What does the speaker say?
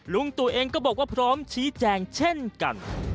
ลุงตู่เองก็บอกว่าพร้อมชี้แจงเช่นกัน